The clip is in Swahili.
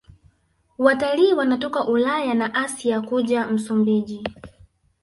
Watalii wanatoka Ulaya na Asia kuja Msumbiji